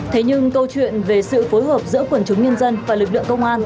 thế nhưng câu chuyện về sự phối hợp giữa quần chúng nhân dân và lực lượng công an